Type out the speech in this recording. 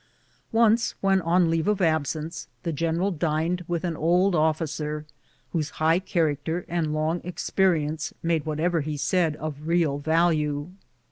Once, when on leave of absence, the general dined with an old officer, whose high character and long ex perience made whatever he said of real value.